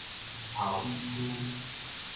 后里區